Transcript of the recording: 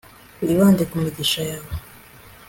wibande ku migisha yawe